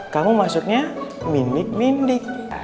kamu masuknya mendik mendik